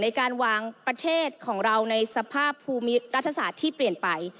ในการวางประเทศของเราในสภาพภูมิรัฐศาสตร์ที่เปลี่ยนไป